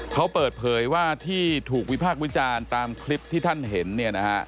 เขาเปิดเผยว่าที่ถูกวิพากษ์วิจารณ์ตามคลิปที่ท่านเห็นเนี่ยนะฮะ